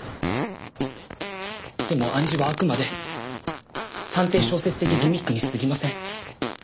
でも暗示はあくまで探偵小説的ギミックにすぎません。